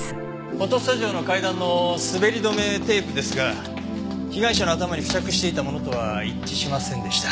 フォトスタジオの階段の滑り止めテープですが被害者の頭に付着していたものとは一致しませんでした。